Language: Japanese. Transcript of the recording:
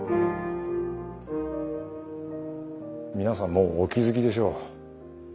皆さんもうお気付きでしょう。